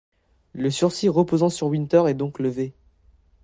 Le sursis reposant sur Winter est donc levé.